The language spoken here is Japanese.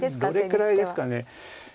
どれくらいですかね。